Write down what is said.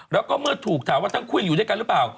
แล้วก็เมื่อถูกถามว่าทั้งคู่อยู่ด้วยกันหรือเปล่า